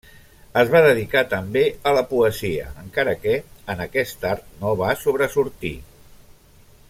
Es va dedicar també a la poesia, encara que en aquest art no va sobresortir.